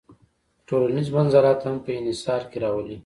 ټولنیز منزلت هم په انحصار کې راولي.